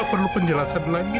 gak perlu penjelasan lagi